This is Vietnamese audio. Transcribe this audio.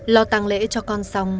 lò tàng lễ cho con xong